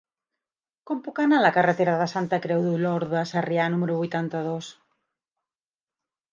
Com puc anar a la carretera de Santa Creu d'Olorda a Sarrià número vuitanta-dos?